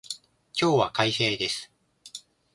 今日は快晴です